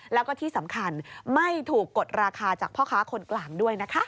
แล้วก็ที่สำคัญไม่ถูกกดราคาจากพ่อค้าคนกลางด้วยนะคะ